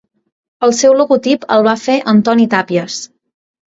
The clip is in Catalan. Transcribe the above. El seu logotip el va fer l'Antoni Tàpies.